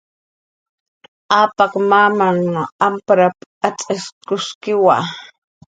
"Apak mamnhan amparp"" atz'ikshuskiwa"